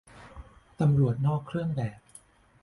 ตำรวจนอกเครื่องแบบ